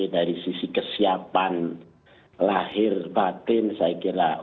dari sisi kesiapan lahir batin saya kira